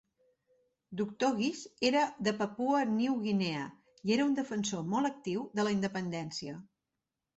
Dr Guise era de Papua New Guinea i era un defensor molt actiu de la independència.